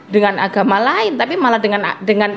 dengan agama lain tapi malah dengan